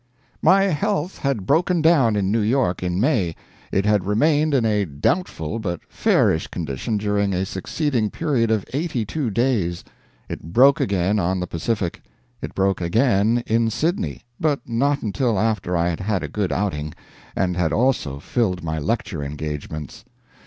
My health had broken down in New York in May; it had remained in a doubtful but fairish condition during a succeeding period of 82 days; it broke again on the Pacific. It broke again in Sydney, but not until after I had had a good outing, and had also filled my lecture engagements.